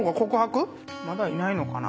まだいないのかな？